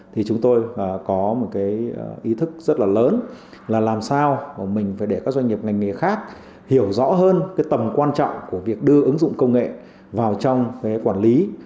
thì chúng tôi có một cái ý thức rất là lớn là làm sao mình phải để các doanh nghiệp ngành nghề khác hiểu rõ hơn cái tầm quan trọng của việc đưa ứng dụng công nghệ vào trong quản lý